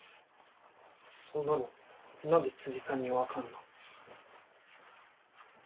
そんなのなんで辻さんに分かんの。